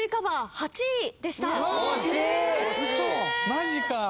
マジか！